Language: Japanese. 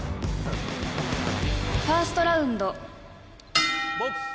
「ファーストラウンド」ボックス。